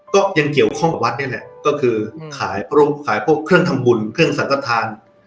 ก็ยังเกี่ยวข้องกับวัดนี่แหละก็คือขายพวกเครื่องทำบุญเครื่องสังกฐาน